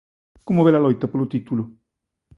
Como ves a loita polo título?